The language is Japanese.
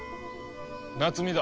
夏美だ。